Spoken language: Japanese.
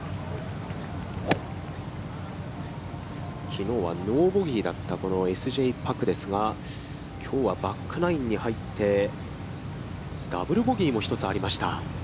きのうはノーボギーだった、Ｓ・Ｊ・パクですが、きょうはバックナインに入って、ダブル・ボギーも一つありました。